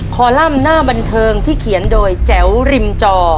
คอลัมป์หน้าบันเทิงที่เขียนโดยแจ๋วริมจอ